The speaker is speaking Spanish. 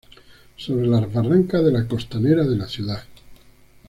Sobre las barrancas de la costanera de la ciudad.